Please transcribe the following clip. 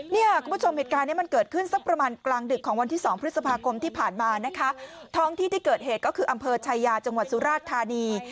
เนี่ยคุณผู้ชมเหตุการณ์นี้มันเกิดขึ้นสักประมาณกลางดึกของวันที่สองพฤษภาคมที่ผ่านมานะคะท้องที่ที่เกิดเหตุก็คืออำเภอชายาจังหวัดสุราชธานี